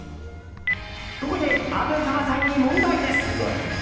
ここで、虻川さんに問題です。